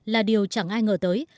là điều chẳng ai ngờ tới